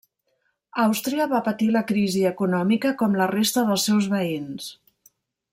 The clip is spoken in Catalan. Àustria va patir la crisi econòmica com la resta dels seus veïns.